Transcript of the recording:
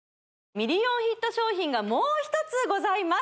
ミリオンヒット商品がもう一つございます